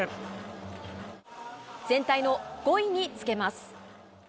全体の５位につけます。